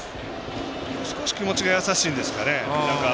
少し気持ちが優しいんですかね。